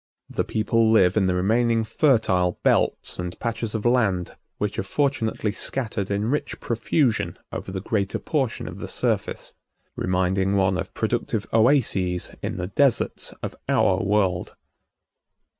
The people live in the remaining fertile belts and patches of land which are fortunately scattered in rich profusion over the greater portion of the surface, reminding one of productive oases in the deserts of our world.